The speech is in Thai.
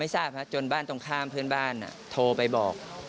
อ่าไม่ทราบนะจนบ้านตรงข้ามเพื่อนบ้านอ่ะโทรไปบอก